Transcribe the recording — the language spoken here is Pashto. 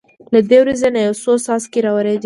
له دې وریځې نه یو څو څاڅکي را وورېدل.